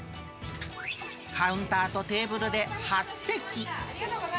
カウンターとテーブルで８席。